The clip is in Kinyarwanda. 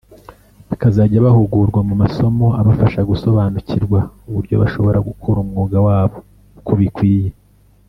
bakazajya bahugurwa mu masomo abafasha gusobanukirwa uburyo bashobora gukora umwuga wabo uko bikwiye